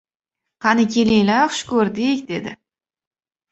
— Qani, kelinglar, xush ko‘rdik! — dedi.